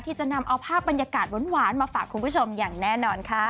ที่จะนำเอาภาพบรรยากาศหวานมาฝากคุณผู้ชมอย่างแน่นอนค่ะ